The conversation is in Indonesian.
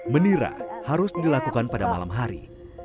menira harus dilakukan pada malam hari